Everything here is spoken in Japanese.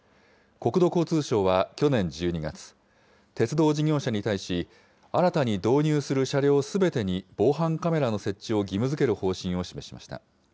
国土交通省は去年１２月、鉄道事業者に対し、新たに導入する車両すべてに防犯カメラの設置を義務づける方針を示しました。